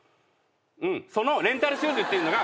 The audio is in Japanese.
そのレンタルシューズっていうのが。